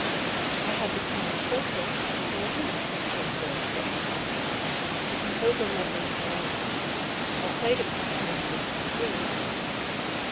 "I had the pianoforte score for a week," she in formed Dr. Paull. " The composer lent me his manu script. I played it for him when he was in Madrid."